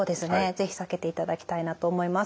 是非避けていただきたいなと思います。